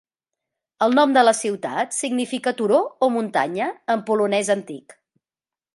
El nom de la ciutat significa "turó" o "muntanya" en polonès antic.